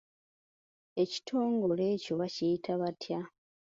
Ekitongole ekyo bakiyita batya?